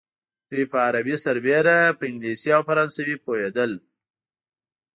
دوی په عربي سربېره په انګلیسي او فرانسوي پوهېدل.